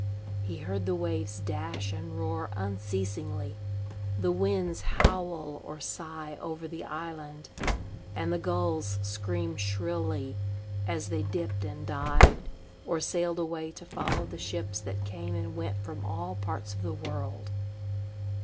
He heard the waves dash and roar unceasingly; the winds howl or sigh over the island; and the gulls scream shrilly as they dipped and dived, or sailed away to follow the ships that came and went from all parts of the world.